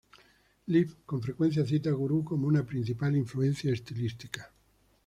Lif con frecuencia cita a Guru como una principal influencia estilística.